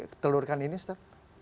ketelurkan ini ustadz